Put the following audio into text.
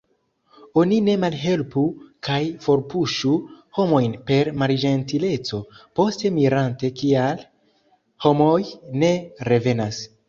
Oni ne malhelpu kaj forpuŝu homojn per malĝentileco, poste mirante kial homoj ne revenas.